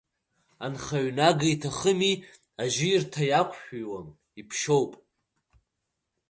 Анхаҩ нага иҭахыми, ажьирҭа иақәшәиуам, иԥшьоуп.